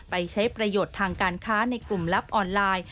ใช้ประโยชน์ทางการค้าในกลุ่มลับออนไลน์